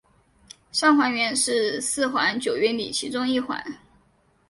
上环原是四环九约里其中一环。